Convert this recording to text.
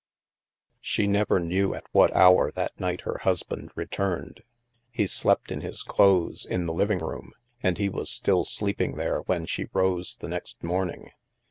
She never knew at what hour that night her hus band returned. He slept in his clothes, in the living room, and he was still sleeping there when she rose the next morning.